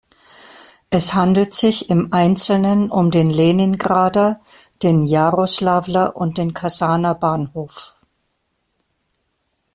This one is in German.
Es handelt sich im Einzelnen um den "Leningrader", den "Jaroslawler" und den "Kasaner Bahnhof".